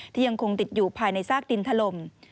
ยังคงติดอยู่ภายในซากดินถล่ม